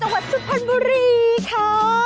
จังหวัดชุดพันธ์บุรีค่ะ